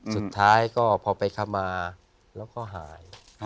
สุดท้ายก็พอไปขมาแล้วก็หาย